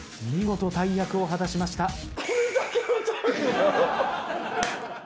見事大役を果たしました。